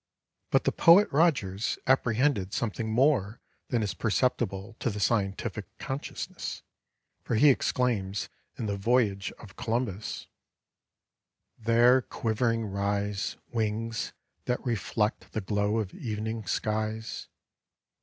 But the poet Rogers apprehended something more than is perceptible to the scientific consciousness, for he exclaims in The Voyage of Columbus: "—There quivering rise Wings that reflect the glow of evening skies!